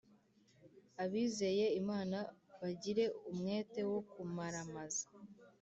abizeye Imana bagire umwete wo kumaramaza